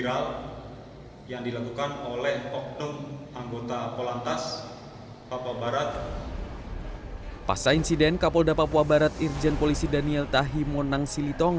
saya direktur lalu lintas polda papua barat kombes polisi adam erwindi meyakinkan kue batal diantar ke pihak tni dan digantikan dengan nasi tumpeng